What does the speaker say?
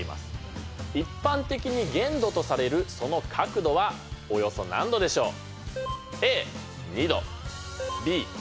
一般的に限度とされるその角度はおよそ何度でしょう。